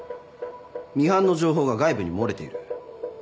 ミハンの情報が外部に漏れている。